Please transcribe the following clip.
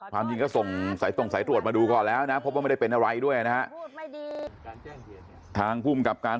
เพราะว่าตำรวจตลาบุรีเนี่ยดีมากดีทุกคน